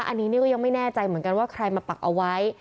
อันนี้นี่ก็ยังไม่แน่ใจเหมือนกันว่าใครมาปักเอาไว้